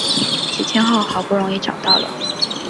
几天后好不容易找到了